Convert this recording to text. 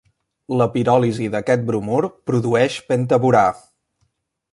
La piròlisi d'aquest bromur produeix pentaborà.